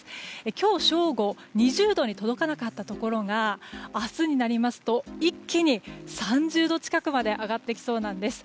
今日正午２０度に届かなかったところが明日になりますと一気に３０度近くまで上がってきそうなんです。